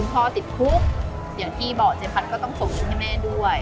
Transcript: คุณพ่อติดภูครี่อย่างที่บอกเจคัญก็ต้องขอบคุณให้แม่ด้วย